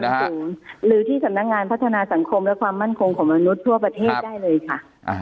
สูงหรือที่สำนักงานพัฒนาสังคมและความมั่นคงของมนุษย์ทั่วประเทศได้เลยค่ะ